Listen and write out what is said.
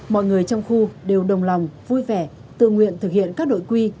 mọi người trong khu đều đồng lòng vui vẻ tự nguyện thực hiện các đội quy